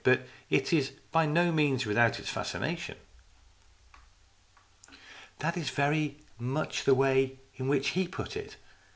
But it is by no means without its fascination." " That is very much the way in which he put it.